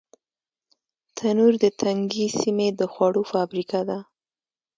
تنور د تنګې سیمې د خوړو فابریکه ده